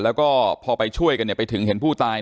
แล้วก็พอไปช่วยกันไปถึงเห็นผู้ตาย